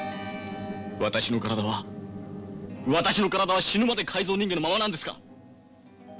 私の体は私の体は死ぬまで改造人間のままなんですか！